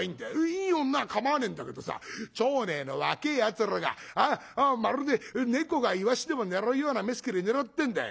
いい女は構わねえんだけどさ町内の若えやつらがまるで猫がイワシでも狙うような目つきで狙ってんだよ。